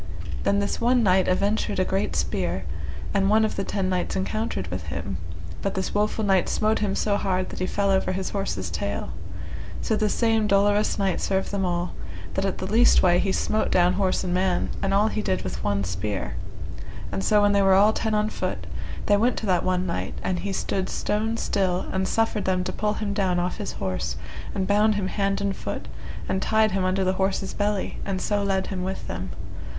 Then this one knight aventred a great spear, and one of the ten knights encountered with him, but this woful knight smote him so hard that he fell over his horse's tail. So this same dolorous knight served them all, that at the leastway he smote down horse and man, and all he did with one spear; and so when they were all ten on foot, they went to that one knight, and he stood stone still, and suffered them to pull him down off his horse, and bound him hand and foot, and tied him under the horse's belly, and so led him with them.